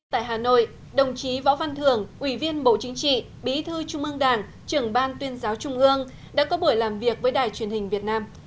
tại hà nội đồng chí võ văn thường ủy viên bộ chính trị bí thư trung ương đảng trưởng ban tuyên giáo trung ương đã có buổi làm việc với đài truyền hình việt nam